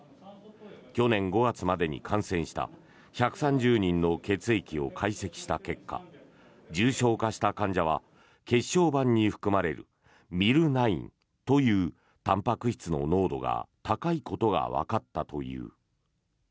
去年５月までに感染した１３０人の血液を解析した結果重症化した患者は血小板に含まれるＭｙｌ９というたんぱく質の濃度が高いことがわかったという。